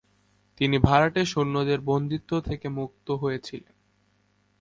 তিনি ভাড়াটে সৈন্যদের বন্দিত্ব থেকে মুক্ত হয়েছিলেন।